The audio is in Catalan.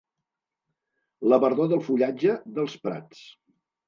La verdor del fullatge, dels prats.